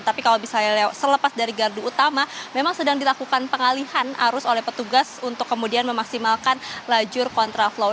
tapi kalau misalnya selepas dari gardu utama memang sedang dilakukan pengalihan arus oleh petugas untuk kemudian memaksimalkan lajur kontraflow